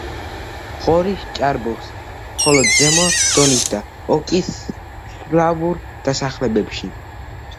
ღორი სჭარბობს მხოლოდ ზემო დონის და ოკის სლავურ დასახლებებში.